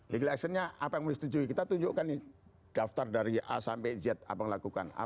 legal actionnya apa yang mau disetujui kita tunjukkan nih daftar dari a sampai z apa yang dilakukan